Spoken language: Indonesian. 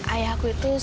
ayahku itu selalu